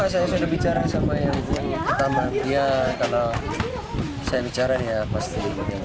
saya sudah bicara sama yang pertama dia kalau saya bicara ya pasti